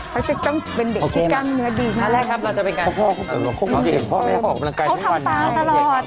พักจะต้องเป็นเด็กพิกันเหนือดีขนาดนี้นะครับพี่พอสพอสพอสเขาทำตามตลอด